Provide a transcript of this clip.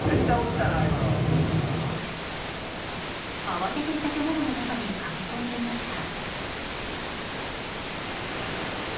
慌てて建物の中に駆け込んでいました。